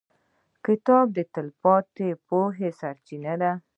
• کتاب د تلپاتې پوهې سرچینه ده.